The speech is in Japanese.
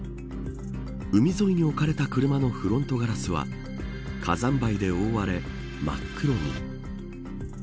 海沿いに置かれた車のフロントガラスは火山灰で覆われ、真っ黒に。